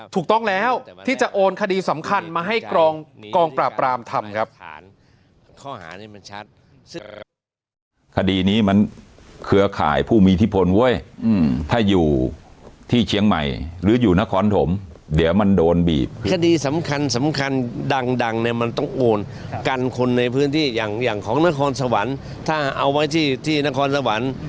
ถูกต้องแล้วที่จะโอนคดีสำคัญมาให้กองปราบรามทำครับ